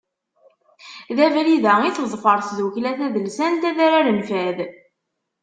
D abrid-a i teḍfer Tdukkla Tadelsant Adrar n Fad.